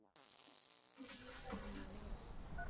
Kulazimika kuacha nyumba alipochangia kujenga